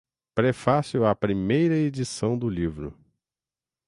Prefácio à Primeira Edição do Livro